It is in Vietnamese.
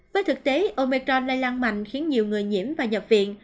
với thực tế omecron lây lan mạnh khiến nhiều người nhiễm và nhập viện